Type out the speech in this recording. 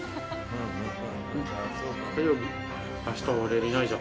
火曜日？